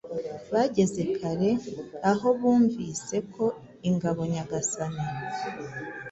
Bageze kare aho bumvise ko ingabo-nyagasani